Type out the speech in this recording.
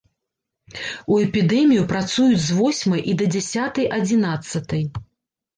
У эпідэмію працуюць з восьмай і да дзясятай-адзінаццатай.